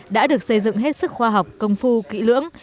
đã được xây dựng hết sức khoa học công phu kỹ lưỡng